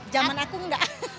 jaman aku enggak